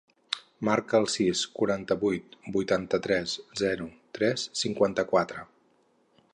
Marca el sis, quaranta-vuit, vuitanta-tres, zero, tres, cinquanta-quatre.